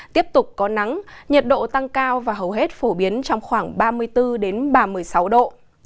tiếp tục có nắng nhiệt độ tăng cao và hầu hết phổ biến trong khoảng ba mươi bốn ba mươi sáu độ